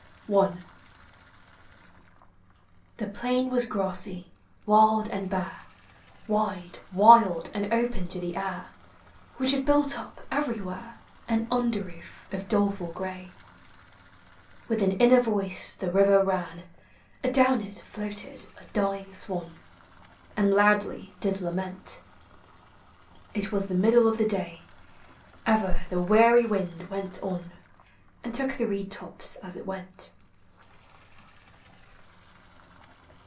i. The plain was grassy, wild and bare, Wide, wild and open to the air, Which had built up everywhere An under roof of doleful gray. With an inner voice the river ran, Adown it floated a dying swan, And loudly did lament. It was the middle of the day. Ever the weary wind went on, And took the reed tops as it went.